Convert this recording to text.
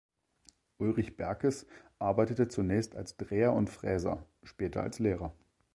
Ulrich Berkes arbeitete zunächst als Dreher und Fräser, später als Lehrer.